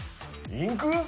インク？